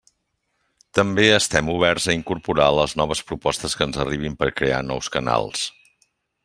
També estem oberts a incorporar les noves propostes que ens arribin per crear nous canals.